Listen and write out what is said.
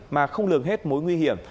mà không lường hết mối nguy hiểm